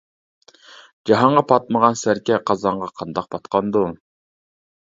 جاھانغا پاتمىغان سەركە قازانغا قانداق پاتقاندۇ!